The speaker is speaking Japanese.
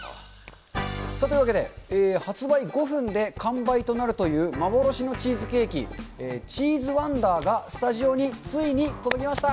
さあ、というわけで、発売５分で完売となるという幻のチーズケーキ、ＣＨＥＥＳＥＷＯＮＤＥＲが、スタジオについに届きました。